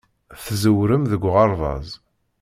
Tẓewrem deg uɣerbaz.